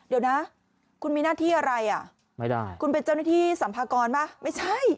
เดี๋ยวนะคุณมีหน้าที่อะไรอ่ะไม่ได้คุณเป็นเจ้าหน้าที่สัมภากรป่ะไม่ใช่